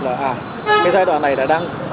cái giai đoạn này đã đăng